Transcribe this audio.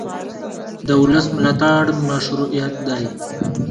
د ولس ملاتړ مشروعیت دی